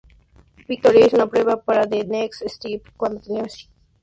Victoria hizo una prueba para The Next Step cuando tenía casi trece años.